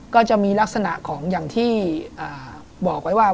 ก็จะมีลักษณะของอย่างที่บอกไว้ว่า